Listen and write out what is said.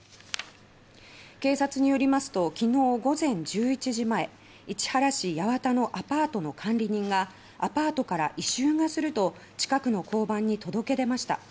警察によりますと昨日、午前１１時前市原市八幡のアパートの管理人が「アパートから異臭がする」と近くの交番に届け出ました。